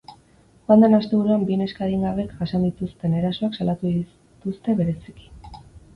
Joan den asteburuan bi neska adingabek jasan dituzten erasoak salatu dituzte bereziki.